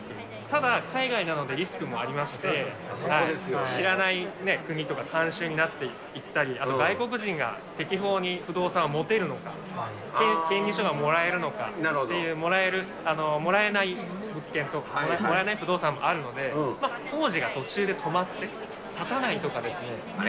ただ、海外なのでリスクもありまして、知らない国とか、慣習になっていったり、外国人が適法に不動産を持てるのか、権利書がもらえるのか、もらえない物件とか、もらえない不動産もあるので、工事が途中で止まって建たないとかですね。